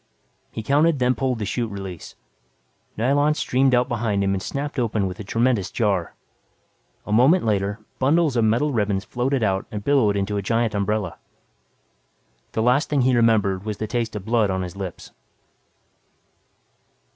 He counted then pulled the chute release. Nylon streamed out behind him and snapped open with a tremendous jar. A moment later, bundles of metal ribbons floated out and billowed into a giant umbrella. The last thing he remembered was the taste of blood on his lips.